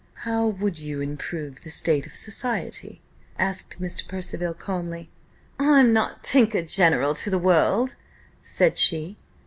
"How would you improve the state of society?" asked Mr. Percival, calmly. "I'm not tinker general to the world," said she.